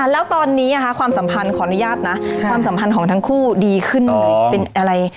แล้วตอนนี้ความสัมพันธ์ของทั้งคู่ดีขึ้นเป็นอะไร